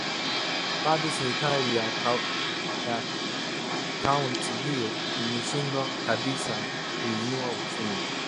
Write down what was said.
bado serikali ya kaunti hiyo imeshindwa kabisa kuinua uchumi